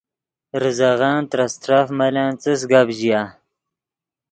ریزغن ترے استرف ملن څس گپ ژیا